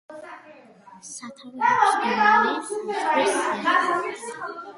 სათავე აქვს გერმანიის საზღვრის სიახლოვეს.